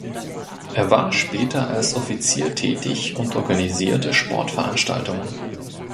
Er war später als Offizier tätig und organisierte Sportveranstaltungen.